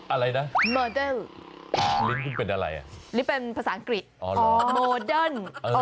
อะไรนะลิ้นคุณเป็นอะไรลิ้นเป็นภาษาอังกฤษอ๋อเหรอโมเดิร์น